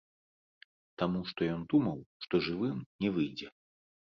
Таму што ён думаў, што жывым не выйдзе.